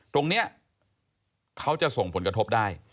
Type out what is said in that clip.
ตรงนี้เขาจะส่งผลกระทบได้